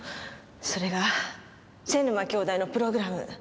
それが瀬沼兄弟のプログラム。